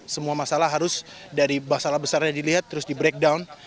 semua masalah harus dari masalah besarnya dilihat terus di breakdown